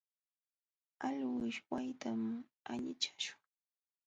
Alwish waytawan allichashun.